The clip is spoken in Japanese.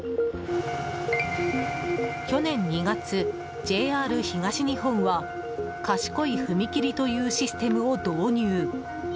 去年２月、ＪＲ東日本は賢い踏切というシステムを導入。